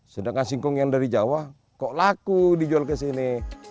sedangkan singkong yang dari jawa kok laku dijual ke sini